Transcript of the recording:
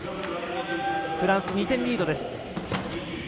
フランス、２点リードです。